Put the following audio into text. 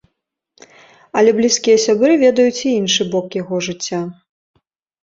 Але блізкія сябры ведаюць і іншы бок яго жыцця.